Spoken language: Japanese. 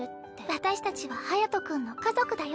私たちは隼君の家族だよ。